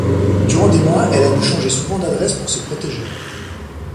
Durant des mois elle a dû changer souvent d’adresse pour se protéger.